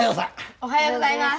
おはようございます。